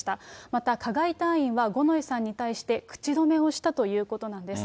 また加害隊員は、五ノ井さんに対して口止めをしたということなんです。